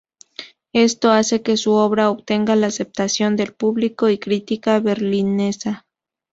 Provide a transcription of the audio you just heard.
Esto hace que su obra obtenga la aceptación del público y crítica berlinesa.